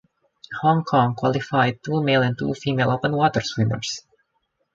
Hong Kong qualified two male and two female open water swimmers.